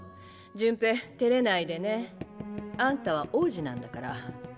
潤平てれないでねあんたは王子なんだから。